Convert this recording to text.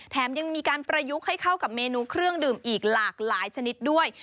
แถมยังมีการประยุกต์ให้เข้ากับเมนูเครื่องดื่มอีกหลากหลายชนิดด้วย